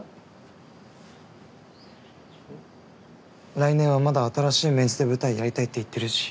来年はまだ新しいメンツで舞台やりたいって言ってるし。